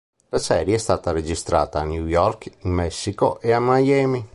La serie è stata registrata a New York, in Messico e a Miami.